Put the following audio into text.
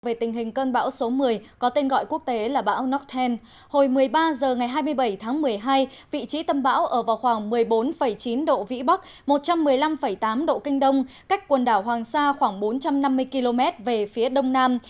về tình hình cơn bão số một mươi có tên gọi quốc tế là bão norken hồi một mươi ba h ngày hai mươi bảy tháng một mươi hai vị trí tâm bão ở vào khoảng một mươi bốn chín độ vĩ bắc một trăm một mươi năm tám độ kinh đông cách quần đảo hoàng sa khoảng bốn trăm năm mươi km về phía đông nam